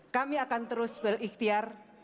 kami akan terus berikhtiar